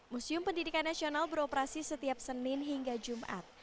museum pendidikan nasional beroperasi setiap senin hingga jumat